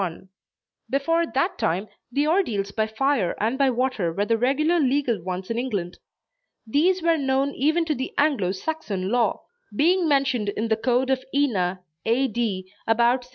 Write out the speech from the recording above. Before that time, the ordeals by fire and by water were the regular legal ones in England. These were known even to the Anglo Saxon law, being mentioned in the code of Ina, A. D., about 700.